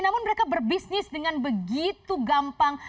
namun mereka berbisnis dengan begitu gampang